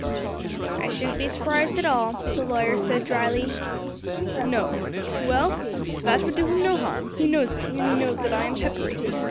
"I shouldn't be surprised at all," the lawyer said drily. "No. Well that would do him no harm; he knows me, and he knows that I am peppery.